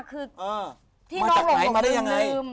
คือที่น้องลงออกลืม